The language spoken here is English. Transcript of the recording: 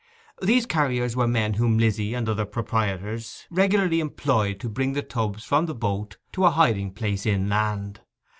These carriers were men whom Lizzy and other proprietors regularly employed to bring the tubs from the boat to a hiding place inland.